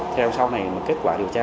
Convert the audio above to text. theo sau này kết quả điều tra